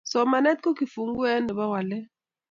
Somanet ko kifunguet nebo walet